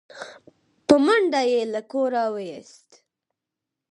په منډه يې له کوره و ايست